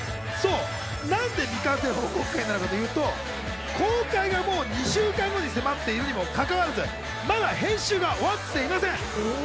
なんで未完成報告会なのかというと公開がもう２週間後に迫っているにもかかわらず、まだ編集が終わっていません。